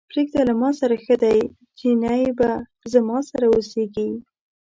پرېږده له ماسره ښه دی، چينی به زما سره اوسېږي.